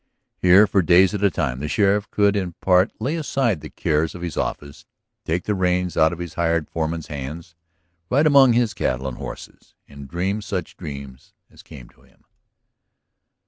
Here for days at a time the sheriff could in part lay aside the cares of his office, take the reins out of his hired foreman's hands, ride among his cattle and horses, and dream such dreams as came to him.